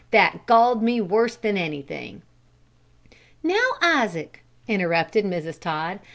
That galled me worse than anything!" "Now, Isaac," interrupted Mrs. Todd.